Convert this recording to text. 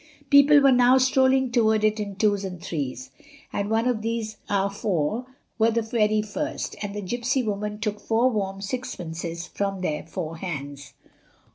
People were now strolling toward it in twos and threes, and of these our four were the very first, and the gypsy woman took four warm sixpences from their four hands.